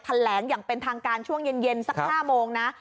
แถลงอย่างเป็นทางการช่วงเย็นสัก๕โมงนะ